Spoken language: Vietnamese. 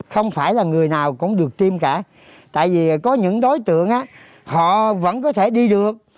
không phải là người nào cũng được tiêm cả tại vì có những đối tượng họ vẫn có thể đi được